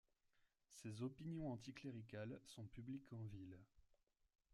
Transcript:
Ses opinions anticléricales sont publiques en ville.